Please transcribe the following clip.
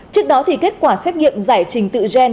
trước đó thì kết quả xét nghiệm giải trình tự gen